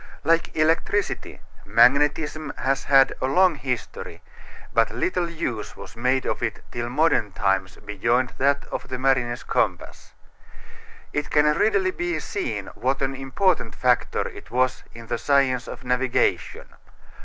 Like electricity, magnetism has had a long history, but little use was made of it till modern times beyond that of the mariner's compass. It can readily be seen what an important factor it was in the science of navigation.